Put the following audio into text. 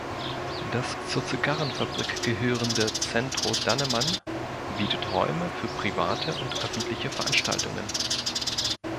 Das zur Zigarrenfabrik gehörende Centro Dannemann bietet Räume für private und öffentliche Veranstaltungen.